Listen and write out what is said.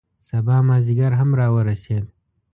سبا مازدیګر هم را ورسید.